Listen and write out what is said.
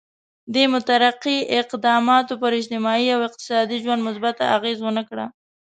دې مترقي اقداماتو پر اجتماعي او اقتصادي ژوند مثبته اغېزه ونه کړه.